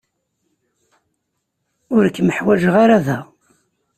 Ur kem-ḥwajeɣ ara da.